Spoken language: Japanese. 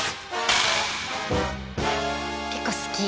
結構好き。